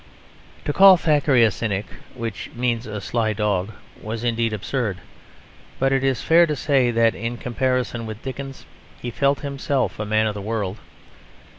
To call Thackeray a cynic, which means a sly dog, was indeed absurd; but it is fair to say that in comparison with Dickens he felt himself a man of the world.